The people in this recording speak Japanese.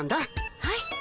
はい。